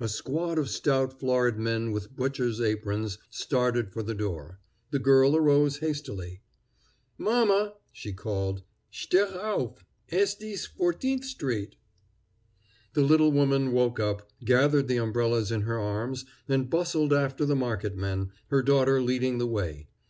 A squad of stout, florid men with butchers' aprons started for the door. The girl arose hastily. "Mama!" she called, "steh' auf! Es ist Fourteenth street." The little woman woke up, gathered the umbrellas in her arms, and bustled after the marketmen, her daughter leading the way.